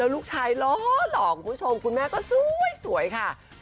แล้วลูกชายร้อยหล่อคุณผู้ชมคุณแม่ก็ซู่ยเฉาะค่ะ